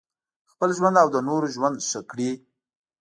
خپل ژوند او د نورو ژوند ښه کړي.